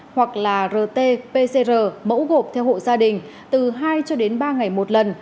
hoặc là rt pcr mẫu gộp theo hộ gia đình từ hai cho đến ba ngày một lần